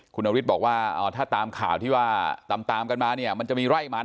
คุณนฤทธิ์บอกว่าถ้าตามข่าวที่ว่าตามกันมาเนี่ยมันจะมีไร่มัน